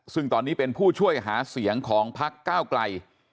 ซึ่งตอนนี้เป็นผู้ช่วยหาเสียงของพักก้าวไกล